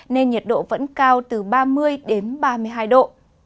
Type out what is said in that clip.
nên nhiệt độ vẫn cao từ ba mươi đến ba mươi hai độ